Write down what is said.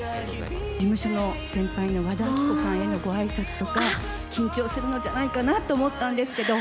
事務所の先輩の和田アキ子さんへのごあいさつとか、緊張するのじゃないかなと思ったんですけど。